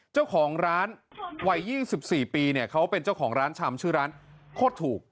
เจ้าของร้านวัย๒๔ปีเนี่ยเขาเป็นเจ้าของร้านชำชื่อร้านโคตรถูก